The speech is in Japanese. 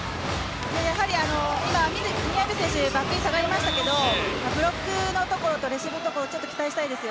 今、宮部選手下がりましたけどブロックのところとレシーブのところちょっと期待したいです。